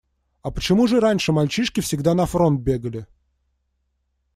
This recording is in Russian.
А почему же раньше мальчишки всегда на фронт бегали?